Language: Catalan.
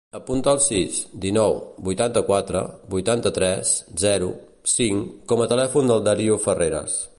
Apunta el sis, dinou, vuitanta-quatre, vuitanta-tres, zero, cinc com a telèfon del Dario Ferreres.